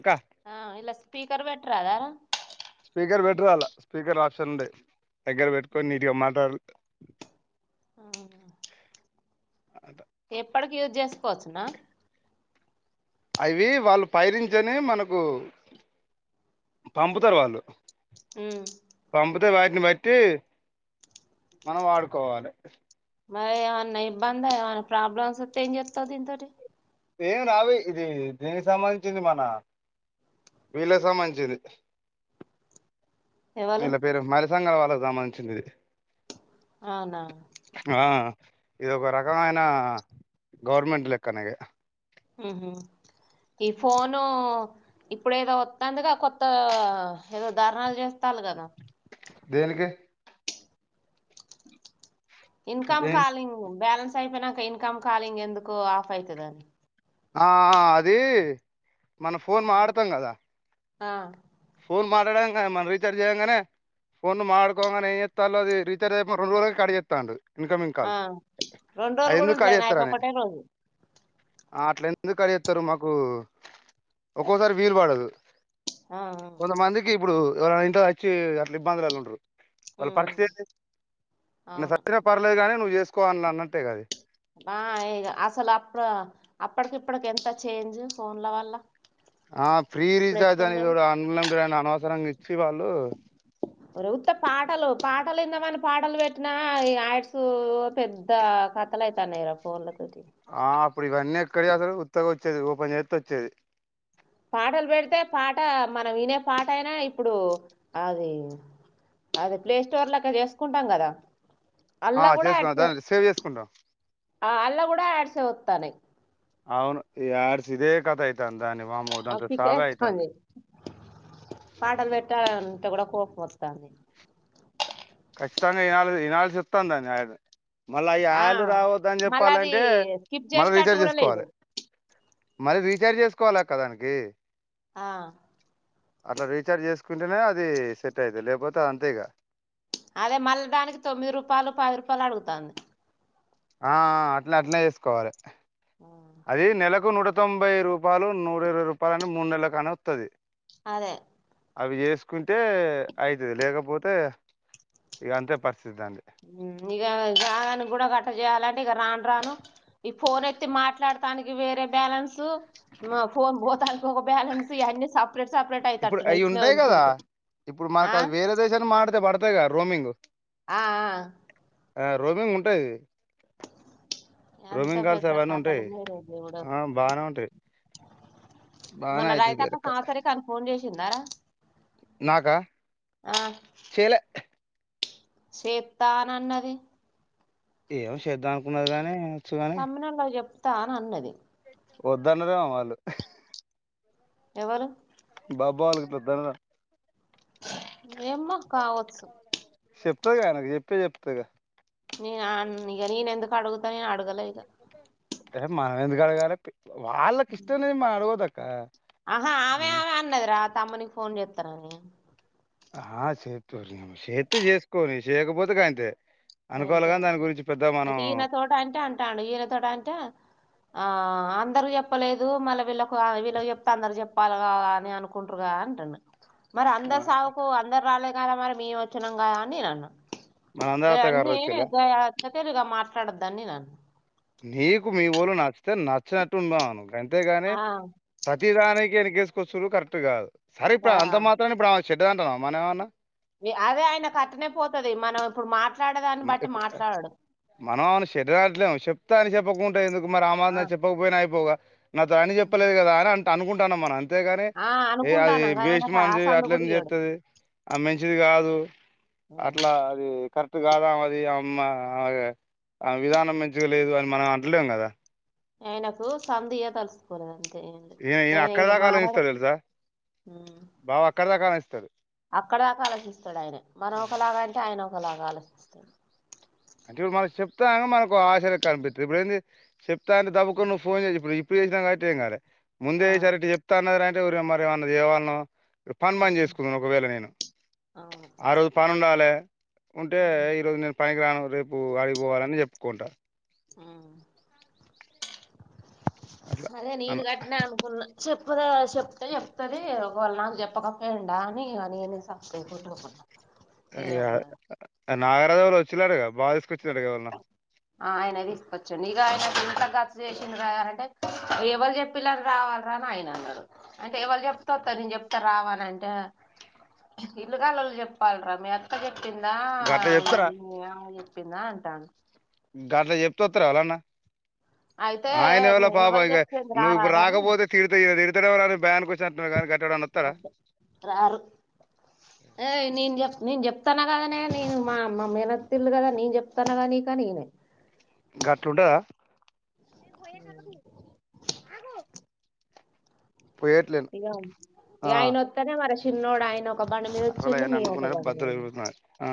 ఇంకా ఆ ఇలా స్పీకర్ బట్రా రదర స్పీకర్ పెట్టరు అలా స్పీకర్ ఆప్సన్ ఉండాయి దగ్గర పెట్టుకొని నీటుగా మాటలు ఆ అ ఎప్పటికి యూజ్ చేసుకోవచ్చునా అవి వాళ్ళు పైరించని మనకు పంపుతారు వాళ్ళు పంబతే బారి ఇీటిని బట్టి మనం వాడుకోవాలి మరి ఏమన్న ఇబ్బంది ఏమనా ప్రాబ్లమ్స్ వేస్తే ఏం చేస్తావ్ దీని తోటి ఏమి నావి ఇది దీనికి సంబంధించింది మన వీళ్ళ సంబంధించింది ఎవలు ఇలా పేరు మరిసాంగర వాళ్ళ మంచిది అవునా ఆ ఇది ఒక రకమైన గవర్నమెంట్ లెక్కనేగా మ్మ్ హ్మ్ ఈ ఫోను ఇప్పుడు ఏదో వత్తందిగా కొత్త ఏదో ధారునాలు చేస్తారు కదా దేనికి ఇన్కమ్ కాలింగ్ బ్యాలన్స్ ఇంకా అయితే నాకు ఇన్కమ్ కాలింగ్ ఎందుకు ఆఫ్ అయితదని ఆ అది మన ఫోన్ మాట్లాడతాం కదా ఆ ఫోన్ మాట్లాడానికి కా మనం రీచర్జ్ చేయగానే ఫోను మాడుకో గానే ఏం చేస్తారు అదీ రీచార్జ్ అయిపోగానే రెండు రోజులకు కడిజెస్తారు ఆ రెండు రోజులు కూడా కట్ ఉంటలేదు నాయితే చేస్తారని ఒకక్కటే రోజు ఆ అట్ల ఎందుకు కడియెస్తారు మాకు ఒక్కోసారి వీలు పడదు ఆ ఆ, కొంతమందికి ఇప్పుడు ఎవరన్నా ఇంట్లో వచ్చి అట్లా ఇబ్బందులు ఉండరు వాళ్ళు ఉమ్, ఉమ్, పరిస్థితి ఏంది నువ్వు అవును చచ్చినపర్లేదు కాగాని నువ్వు చేసు కో అన్ అన్నట్టే కది బ ఇగా అసలు అప్పుడు అప్పటికిప్పటికి ఎంత చేంజ్ ఫోన్ల వల్ల ఆ ఫ్రీ అప్పుడు రీచార్జ్ అని ఎట్లుండేది చూడు అన్లిమిటెడ్ అని అనవసరంగా ఇచ్చి వాళ్ళు రు త్త పాటలు పాటలు విందామని పాటలు పెట్టినా ఈ ఆయకూ పెద్ద క తలయితా నే రా ఫోన్ల ఆ ఇప్పుడు ఇవన్నీ ఎక్కడ అసలు ఉత్తగా వచ్చేది ఓపెన్ చేస్త వచ్చేది పాటలు పెడితే పాట మనం వినే పాట అయినా ఇప్పుడు అది అది ప్లే స్టోర్ లెక్క చేసుకుంటాం కదా ఆ అల్లా కూడా చేసుకు యాడ్స్ దాన్ని సేవ్ చేసుకుందాం ఇప్పుడు యాడ్స అతన్నియి అవును ఈ యాడ్స్ ఇదే కథ అయితంది దానివ మూత అంతా సావైతంది పిచ్చేత్తాంది పాటలు పెట్టాలి అంటే కూడా కోపం అత్తంది ఖచ్చితంగా ఈనాళ ఈనాల్సాత్తది దన్ని ఆడ్ మళ్ళ ఈ ఆ యాడ్లు రావద్ద అని మళ్ళ అది చెప్పాలంటే స్కిప్ మళ్ళీ చేసేటట్టు రీచార్జ్ కూడా లేదు చేసుకోవాలి మరిీ రీఛార్జ్ చేసుకోవాలా అక్క దానికి ఆ అట్లా రీఛార్జ్ చేసుకుంటేనే అది సెట్ అయితది లేకపోతే అది అంతేఇగ అదే మళ్లదానికి తొమ్మిది రూపాయలు పది రూపాయలు అడుగుతంది ఆ అట్లా అట్నే చేసుకోవాలి అదే నెలకు నుడ తొంభై రూపాయలు నూర ఇరవై రూపాయలని మూడు నెలల కానీ వస్తుంది అదే అవి చేసుకుంటే అయితది లేకపోతే ఇక అంతే పరి ఇగా నానికి కూడా గట్ట చేయాలంటే ఇక రాను రాను ఈ ఫోన్ ఎత్తి మాట్లాడతానికి వేరే బ్యాలెన్స్ సో మా ఫోన్ బో దానికి ఒక బ్యాలెన్స్ ఇవన్నీ సప్ ఇప్పుడు అవి ఉంటాయి కదా ఇప్పుడు ఆ మనకు అది వేరే దేశానికి మాటడితే పడతాయి కదా రోమింగ్ ఆ ఆహ్ ఆ రోమింగ్ ఉంటాది ఎంత రోమింగ్ కాల్స్ పెద్ద అవన్న కథలు ఉంటాయి ఉన్నాయి రో దేవుడు ఆ బానే ఉంటాయి బాగానే మొన అవుతుంది రైతాక్క వేరక్క సంవత్సరికాన్కి ఫోన్ చేసిందారా నాకా చేలే చేత్త అని అన్నది ఏమో చేద్దామనుకున్నది గానీ తమ్మినోళ్లకు చెప్ తా అని అన్నది వద్దన్నారేమో వాళ్ళు ఎవరు బాబ్బా వాళ్ళు గిట్లా దానన ఏమ్మాో కావచ్చు చెప్తదిగా ఆయనకు చెప్పే చెప్తదిగా నిన్ ఆ ఇగ నఎందుకు అడుగుతా నను అడుగులే ఇగ ఏహే మనమెందుకు అడుగలే వాళ్ళకి ఇష్టం లేనిది మనం ఏడుగొదక్కా ఆహా ఆమె ఆమె అన్నది రా తమ్మునిక్ ఫోన్ చెతాననీ ఆహ చేతు చేతే చేసుకోని చేయకపోతే గంతే అనుకోవాలి అంతే కానీ దాని గురించి పెద్ద మనం అయితే ఈన తోటీ అంటే అంటాడు ఈన తోటీ అంటే ఆ అన్ అందరికి చెప్పలేదు మళ్ళ వీళ్ళకు వీళ్ళకి చెప్తే అందరికి చెప్పాలేకదా అని అనుకుంటారుగా అంటుండు మరి అందరి మ- సావుకు అందరు రాలే కదా మరి మీము వచ్చినం గదా అనీ నినన్నా మన అందరత్త గారు గాయన్ని వచ్చేలా గా అతిక తెలివిగా మాట్లాడోద్ దని నీనన్న నీకు మీ ఒళ్ళు నచ్చితే నచ్చినట్టు ఉండమను గన్ తేగాని ఆ ప్రతిదానికి ఎనకేస్ కొచ్చుడు కరెక్ట్ కాదు సరే ఇప్పుడు ఆ అంత మాత్రన ఎప్పుడు ఆమె వ్ చెడ్డదంటనమ మనమెమన్నా అదే ఆయన కట్టనే పోతది మనం ఇప్పుడు మాట్లా మా ఇప్ మనం ఏమన్నా చెడ్డది అంటలేమా చెప్ తా అని చెప్పకు ఎందుకు మరి ఆ ఆమాత్రం చెప్పకపోయినా అయిపోవుగా నాతోనీత అన్ని చెప్పలేదు కదా అని అన్ అనుకుంటునం మనం అన్ అంతేగాని ఆ ఏ అది అనుకుంటాన్నాం కానీ వెస్ట్ ఆయనకు ఆ మనిషి సందు అట్ల కూడా ఎందుకు ఇయ్యడు చేత్తది ఆ మంచిది కాదు ఉమ్. అట్లా అది కాదామెది అమ్మ ఆ విధానం మంచుగా లేదు అని మనం అంటలేం కదా ఆయనకు సందు ఇయ్య తలుసుకోలేదనీ ఇయనే ఈయనే అక్కడి దాక ఆలోచిస్తాడు తెలుసా బావ అక్కడి దాక ఆలోచిస్తాడు అక్కడి దాక ఆలోచిస్తాడు ఆయన మనం ఒకలాగా అంటే ఆయన ఒక ఒక లాగా ఆలోచిస్తడు అంటే ఇప్పుడు మనకు చెప్తా మనకు ఆశ లెక్క అనిపిస్తగది ఇప్పుడు ఏంది చెప్తా అంటే దబుక్కున నువ్వు ఫోన్ చేసి ఇప్పు ఇప్పుడు చేసినవు కాబట్టి ఏం కాలే ముందే ఆ సారి ఇట్లా చెప్తాన్నదిరా అంటే తే ఓరే మరేమన్న తేవాల్నా పని ఆ బంద్ చేసుకున్నా ఒకవేళ నేను అవును ఆ రోజు పనీ ఉండాలే ఉంటే ఉమ్, ఈరోజు నేను పనికి రానివ్వరు రేపు ఆడికిపోవాలని చెప్పుకుంటా ఆ అట్లా అదే నేను కట్న అనుకున్న చెప్పురా చెప్ తే చెప్తది ఒకవేళ నాకు చెప్పకపోయిండా అని ఇగ నేనే [inaudible] అది ఏం కాదట అడగను నాగరాజు వాళ్ళు వచ్చిన్లటగా బావ తీసుకొచ్చిండటగా ఏవళన్నా ఆ ఆయన తీసుకొచ్చిండు ఇగ ఆయనకు ఇంత చ్చ చేసింది రా అంటే ఎవరు చెప్పిలని రావాల్రా అని ఆయన అన్నడు. అంటే ఎవల్ చెప్తే అత్తవ్ నేను చెప్తా రావ అనంటే ఇల్లు కలళు చెప్పాల్రా మీ అత్త చెప్ ప్పిందా గట్ల చెప్తారా దా అంటాడు గట్ల చెప్తే ఒత్తరా ఎవలన్న అయితే ఆయన ఎవలో పాప ఎవరు ఇగ చెప్పింది రా నువ్వు ఇప్పుడు రాదని రాకపోతే తిడితే తిడతారెమో ఎవళ అ బయానికిక్ వచ్చినట్ ఉన్నది కానీ గట్ట ఎవరన్న వస్తారా అదే రారు ఏ నేను చెప్ నేను చెప్తాన్న కదనే నేను మా మా మేనత్తిల్లు కదా నేన్ చెప్తాన కదా నీక్ అని ఈమె గట్లుంటదా పోయేట్లేను ఇగ ఆ ఆయనొత్తేనే చిన్నోడయిన ఒ కర్రలు అయన్ని అండుకున్నార బద్దలు ఎరుగుతున్నారు ఆ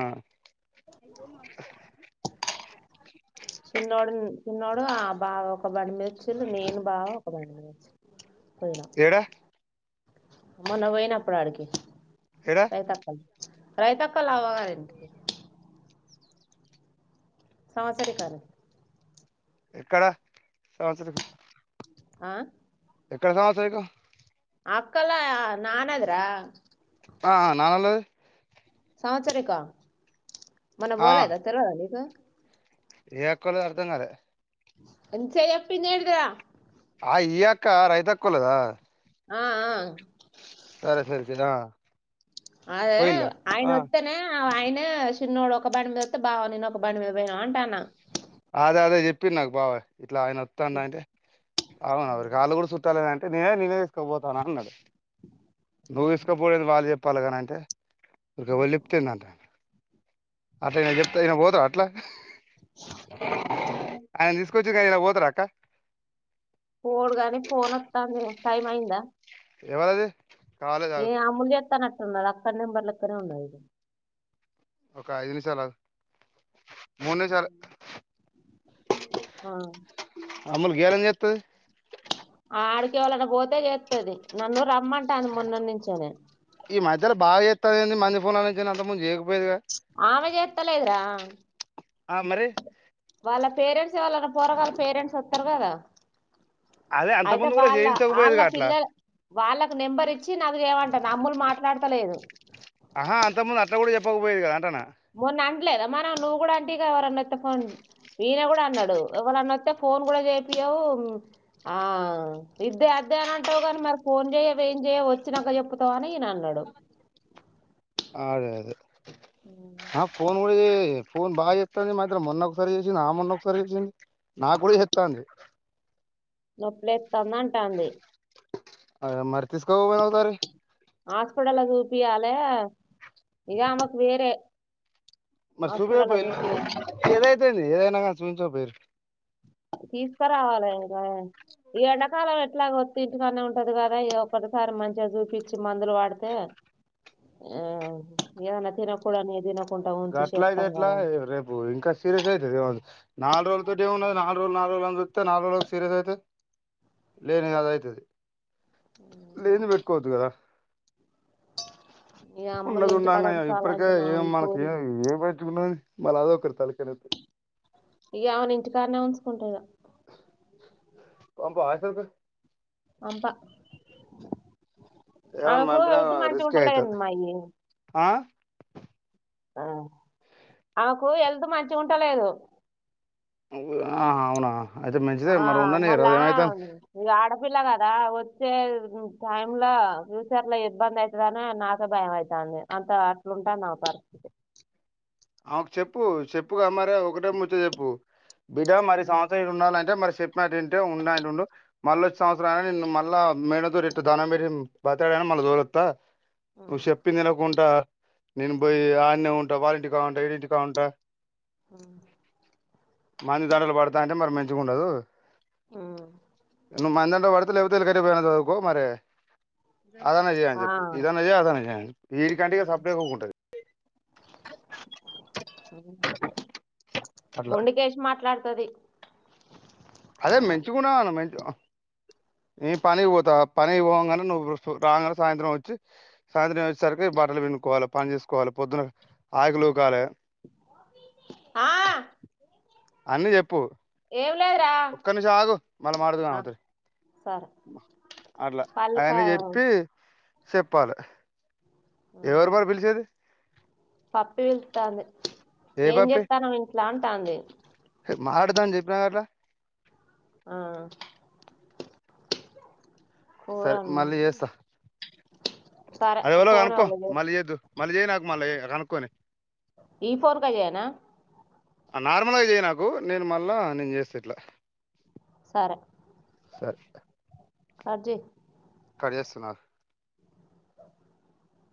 చిన్నోడు చిన్నోడు ఆ బాగా ఒక బండి మీద వచ్చింలు నేను బావ [inaudible] ఏడా మొన్న పోయినప్పుడు ఆడికి ఏడా పై తప్పల్ రైతక్క వల్ల అవ్వగారింటికి సంవత్సరికానికి ఎక్కడా సంవత్సరికం ఆ ఎక్కడ సంవత్సరికం అక్కోలా నానాది రా ఆ నానోల్లది సంవత్సరికం మన ఆ బోలేదా తెల్వదా నీకు ఏ ఎక్కోలదో అర్థం కాలే ఇంతసేప్ చెప్పింది ఏంటిది రా ఆ ఇయ్యక్క రైతక్కోళ్ళదా ఆ ఆ జనా అదే ఆయన వొత్తేనే. ఆ వోలాయనే చిన్నోడు ఒక బండి మీద వొత్తే బావ నేను ఒక బండి మీద పోయినా అంటాన్న. అదే అదే చెప్పిండ్ నాకు బావ. ఇట్లా ఆయన వతాన్డ్ అంటే అవున ఓరే కూడా చుట్టాలంటే అంటే నేనే నేనే తీస్కబోతానా అన్నడు. నువ్వు తీస్కబొవుడు ఏంది బావ వాళ్ళే పలకనంటే వాళ్ళు పలికితేందంట. అట్లా ఏదైనా చెప్తే ఇగ పోతరా అట్లా ఆయన్ని తీసుకొచ్చి ఇగ ఇగ పోతరాక్క. ఫోన్ గాని ఫోన్ వత్తాంది టైం అయిందా ఎవలిది. ఏ అముల్ చేతనట్. టున్నడ్ అక్కడి నెంబర్ల్ వత్తానే ఉన్నాయ్ ఇగ ఒక ఐదు నిమిషాలు ఆగు. మూడు నిమిషాలు. ఆ అమ్ముల్ గేలని చేత్తది. ఆడకి వోలన్న పోతే చేత్తది నన్ను రమ్మంటాంది మొన్నట్ నించేనే. ఈ మధ్యలో బాగా చేతదేంది మంది ఫోన్ లో నుంచైనా అంత ముందు చేయకపో ఆమె జేత్తలేదురా. ఆ మరి వాళ్ళ పేరెంట్స్ ఎవల్లన్న పొరగాళ్ళ పేరెంట్స్ వస్తరు గాదా అదే అయితే అంతకుముందు కూడా వాళ్ళ ఆళ్ళ చేయించకపోయేదిగా అట్లా పిల్లల వాళ్ళ ప్పుడు నెంబర్ ఇచ్చి నాకు చేయమంటాంది. అమ్ములు మాట్లాడతలేదు. ఆహా అంతక ముందు అట్ల కూడా చెప్పక పోయేది గదా అంటానా. మొన్న అన్లేద మొన నువ్వు కూడా అంటివి గద యెవరానోత్తే ఫోన్ ఈయన కూడా అన్నాడు ఎవళనోత్తే ఫోన్ కూడా చేపీయవు ఆ ఇద్దే అద్దే అని అంటావు కానీ మరి ఫోన్ చెయవ్ ఏం చెయవు వచ్చినక చెప్పుతావు అని ఈయన అన్నడు. ఆడేదే ఆ ఫోన్ కూడా చేయ్ ఏ ఫోన్ బాగా చెప్తది మాత్రం మొన్న ఒకసారి చేసింది ఆ మొన్న ఒకసరి చేసింది. నాకు కూడా చెత్తాంది నొప్పిలేత్తనంటాంది. అ మరి తీస్కబోవ నోసారి హాస్పిటల్ లో చూపియాలే. ఇదా ఆమెకు వేరే మరి సుభబ హాస్పిటల్ ఇల్ చూపియాలి ఏదైతేడి ఏదయినా [unintelligible] తీసుకురావాలి ఇంకా ఈ ఎండాకాలం ఎట్లాగో వొత్తే ఇంటికనే ఉంటది కదా ఈ ఒక సారి మంచిగా చూపిచ్చి మందులు వాడితే ఆ ఏదన్నా తినకూడనివి తినక గట్ల అయితే ఎట్లా రేపు ఇంకా సీరియస్ అయితుది నాలుగు రోజులతోటి ఏమున్నది నాలుగు రోజులు నాలు రోజులు అని చూస్తే నాలుగురోజులకు సీయస్ అయితే లేని కద అవుతుంది లేేన్ పెట్కోద్దు కదా ఈ అమ్మలు ఇంటి పడ చాలా అంటున్నా ఇప్పు ఏ ఏమియు మలా అదకతల కనీ ఇక అమను ఇంటి కాడనే ఉంచుకుంటా ఇక అబ సక అంబా ఏమన్నా ఆమెకు పంపినా హెల్త్ మంచిగా రిస్క్ ఉంటలేదు అవుతుంది మళ్లీ ఆ? ఆ ఆమెకు ఎల్త్ మంచి ఉంటలేదు ఆ అవునా అయితే ఆ మంచిదే మరి ఉండని రోజు ఏమైత చూపియల్ల కదా వచ్చే టైమ్ లో ఫ్యూచర్ లో ఇబ్బంది అవుతుందిని నాకే భయం అవుతుంది అంత అట్లుంటాంది ఆమె పరిస్థితి ఆమెకు చెప్పు చెప్పుగా మరే ఒకటే ముంచో చెప్పు బిడ్డ మరి ఉమ్, సంవత్సరం ఉండాలంటే మరి చెప్పినట్లు ఇంటే ఉండ నంట ఉండు మళ్ళీ వచ్చినవసరం నన్న మళ్ళీ మేన దూరి దధనం పెరి బతాడ అని మళ్ళీ దూరస్తా నువ్వు చెప్పింది వినకుండా నేను పోయి ఉమ్, ఆన్నే ఉం వాలంటి దుకాంట్ జీ దుకాౌంట్ ఆ మంచి దాండలు పడతా అంటే మరి మంచిుగా ఉండదు ఉమ్, ఎ మాదడా వాడ [unintelligible] అదన్న చేయ్ అని ఆ చెప్పు ఇదాన్న చేయ్ అదనన చేయడి వీడి కంటగా ఉమ్, సప్డంటది అ అట్లా మొండికేసి మాట్లాడుతది అదే మంచిుకున్నాన్న మ ఏం పని పోతా పని పోగానే నువ్వు రాగానే సాయంత్రం వచ్చి సాయంత్రం వచ్చేసరికి బట్టలు పనుుకోవాలి పని చేసుకోవాలి పొద్దున్న ఆకులుూకాలి ఆ అన్నీ చెప్పు ఏం లేదురా ఒక్కరి నిమిషం ఆగు మళ్ళ మాట్లాడువు ఆ అవతోనీ సరే అట్లా అయన్నీ పల్లికాయ చెప్పి చెప్పాలి ఎవరు ఉమ్, మరి పిలిచేది పప్పి విళ్తంది ఏ ఏం చేతన్నావ్ ఇంట్లా అంటుంది మాట్డదా అని చెప్పినగా అట్లా ఆ కూర సరే ఉం- మళ్ళీ చేస్తా సరే అది ఎలో ఫోన్ అనుకో ఎవలో చేస్ మళ్ళీ చేయద్దు మళ్ళీ చేయ నాకు మళ్ళీ కనుక్కొని ఈ ఫోన్ కేజయనా నార్మల్గా చేయి నాకు నేను మళ్ళా నేను చేస్తా ఇట్లా సరే సరే కట్ చేయి కడి చేేస్తున్నా ఆగు